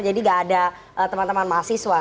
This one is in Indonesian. jadi nggak ada teman teman mahasiswa